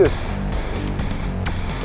lo ngapain ketawa